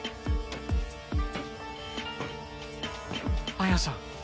彩さん。